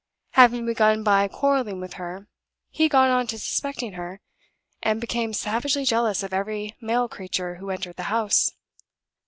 Having begun by quarreling with her, he got on to suspecting her, and became savagely jealous of every male creature who entered the house.